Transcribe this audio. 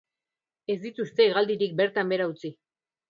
Ez dituzte hegaldirik bertan behera utzi.